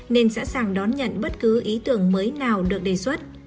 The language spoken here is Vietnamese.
nên sẵn sàng đón nhận bất cứ ý tưởng mới nào được đề xuất